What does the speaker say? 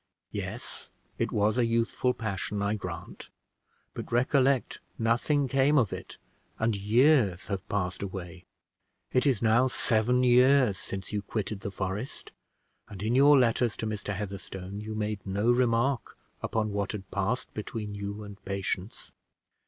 "Yes, it was a youthful passion, I grant; but recollect nothing came of it, and years have passed away. It is now seven years since you quitted the forest, and in your letters to Mr. Heatherstone you made no remark upon what had passed between you and Patience.